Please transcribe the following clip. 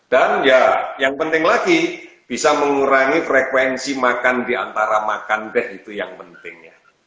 dan ya yang penting lagi bisa mengurangi frekuensi makan diantara makan deh itu yang penting